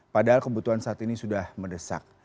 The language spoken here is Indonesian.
padahal kebutuhan saat ini sudah mendesak